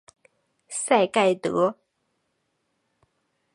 赛盖德。